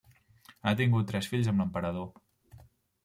Ha tingut tres fills amb l'emperador.